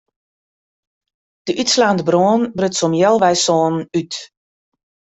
De útslaande brân bruts om healwei sânen út.